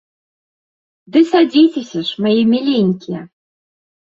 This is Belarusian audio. Ды садзіцеся ж, мае міленькія!